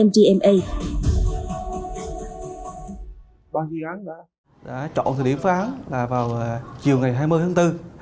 đã chọn thời điểm phá án là vào chiều ngày hai mươi tháng bốn hai nghìn một mươi ba